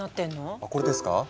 あこれですか？